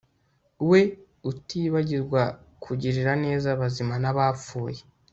we utibagirwa kugirira neza abazima n'abapfuye